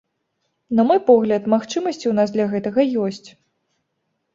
На мой погляд, магчымасці ў нас для гэтага ёсць.